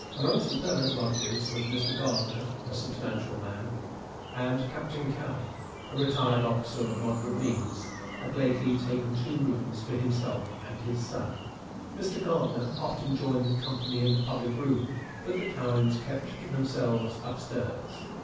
Amongst the permanent lodgers was Mr. Gardiner, a substantial man; and Captain Cowen, a retired officer of moderate means, had lately taken two rooms for himself and his son. Mr. Gardiner often joined the company in the public room, but the Cowens kept to themselves up stairs.